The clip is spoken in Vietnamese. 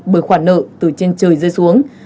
bởi khoản nợ từ trên trời rơi xuống